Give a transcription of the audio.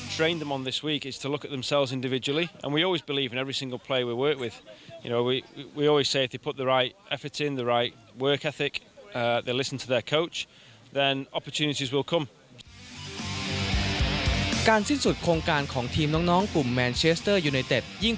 ที่พวกเขาทำงานพวกเขาทำงานที่ดูแลน้อง